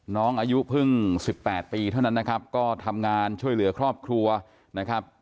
น้องอายุเพิ่ง๑๘ปีเท่านั้นนะครับก็ทำงานช่วยเหลือครอบครัวนะครับ